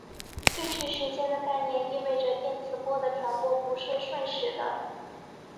推迟时间的概念意味着电磁波的传播不是瞬时的。